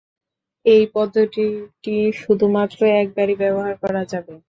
এই পদ্ধতিটি শুধুমাত্র একবারই ব্যবহার করা যাবে।